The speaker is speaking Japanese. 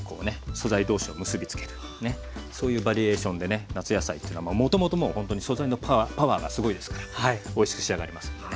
素材同士を結び付けるねそういうバリエーションでね夏野菜というのはもともともうほんとに素材のパワーがすごいですからおいしく仕上がりますんでね。